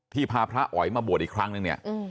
ที่พาพระอ๋อยมาบวชอีกครั้งหนึ่ง